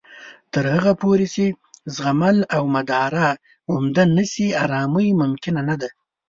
تر هغه پورې چې زغمل او مدارا عمده نه شي، ارامۍ ممکنه نه ده